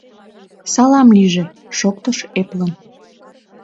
— Салам лийже! — шоктыш эплын.